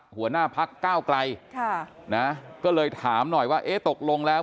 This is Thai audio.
หัวหน้าพักก้าวไกลค่ะนะก็เลยถามหน่อยว่าเอ๊ะตกลงแล้ว